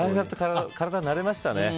体は慣れましたね。